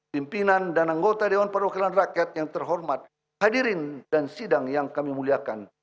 pimpinan dan anggota dewan perwakilan rakyat yang terhormat hadirin dan sidang yang kami muliakan